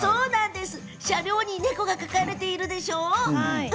車両に猫が描かれているでしょう？